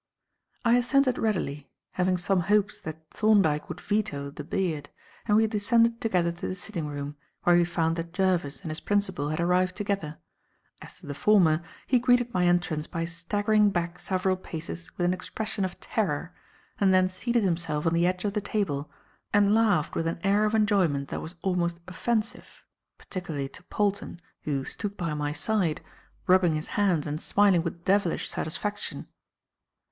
I assented readily, having some hopes that Thorndyke would veto the beard, and we descended together to the sitting room, where we found that Jervis and his principal had arrived together. As to the former, he greeted my entrance by staggering back several paces with an expression of terror, and then seated himself on the edge of the table and laughed with an air of enjoyment that was almost offensive; particularly to Polton, who stood by my side, rubbing his hands and smiling with devilish satisfaction.